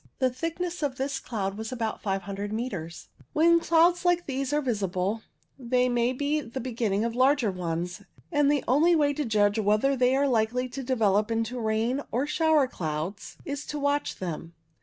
The thickness of this cloud was about 500 metres. When clouds like these are visible, they may be the beginning of larger ones, and the only way to judge whether they are likely to develop into rain or shower clouds is to watch them.